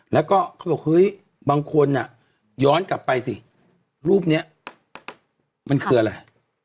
แล้วก็เขาบอกเฮ้ยบางคนย้อนกลับไปสิรูปนี้มันคืออะไร